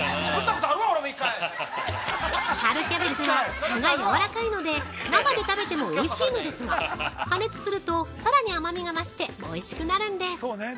◆春キャベツは葉が軟らかいので生で食べてもおいしいのですが加熱するとさらに甘みが増しておいしくなるんです。